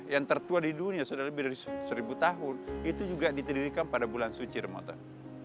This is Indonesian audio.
yang tertua di dunia sudah lebih dari seribu tahun itu juga ditedirikan pada bulan suci ramadan